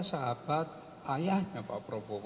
sahabat ayahnya pak parbo